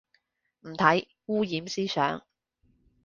唔睇，污染思想